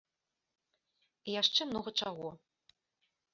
І яшчэ многа чаго.